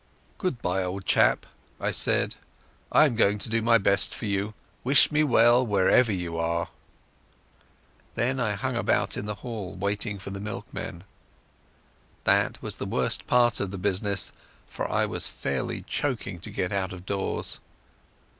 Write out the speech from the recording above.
"Goodbye, old chap," I said; "I am going to do my best for you. Wish me well, wherever you are." Then I hung about in the hall waiting for the milkman. That was the worst part of the business, for I was fairly choking to get out of doors.